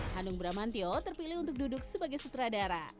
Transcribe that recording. hanung bramantio terpilih untuk duduk sebagai sutradara